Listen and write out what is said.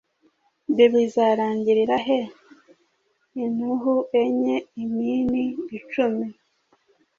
Ibi bizarangirira he inhuro enye imini icumi